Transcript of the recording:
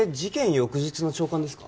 翌日の朝刊ですか？